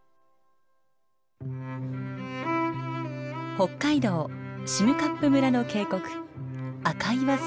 北海道占冠村の渓谷赤岩青巌峡です。